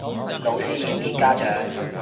老師要見家長